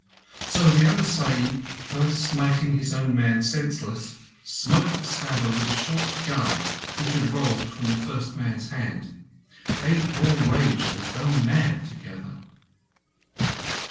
So the other Sahib, first smiting his own man senseless, smote the stabber with a short gun which had rolled from the first man's hand. They all raged as though mad together."